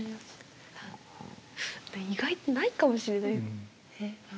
意外とないかもしれない。